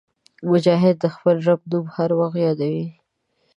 مجاهد د خپل رب نوم هر وخت یادوي.